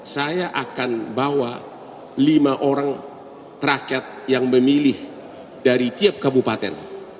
saya akan bawa lima orang rakyat yang memilih dari tiap kabupaten